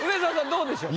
どうでしょう？